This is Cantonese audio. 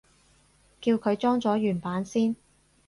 叫佢裝咗原版先